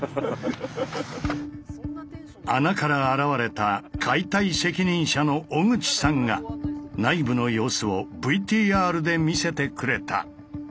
穴から現れた解体責任者の小口さんが内部の様子をＶＴＲで見せてくれた。